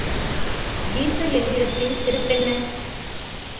Diesel எந்திரத்தின் சிறப்பென்ன?